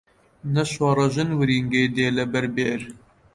نە شۆڕەژن ورینگەی دێ لەبەر بێر